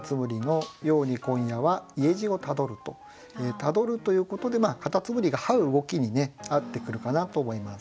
「たどる」ということでカタツムリが這う動きにね合ってくるかなと思います。